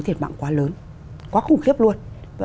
thiệt mạng quá lớn quá khủng khiếp luôn